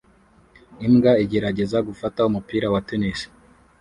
Imbwa igerageza gufata umupira wa tennis